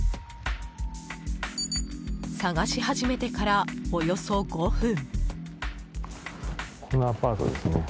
探し始めてから、およそ５分。